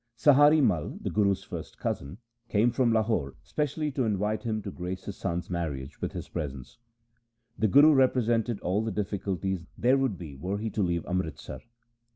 Sahari Mai, the Guru's first cousin, came from Lahore specially to invite him to grace his son's marriage with his presence. The Guru represented all the difficulties there would be were he to leave Amritsar.